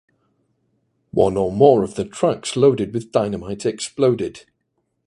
One or more of the trucks loaded with dynamite exploded.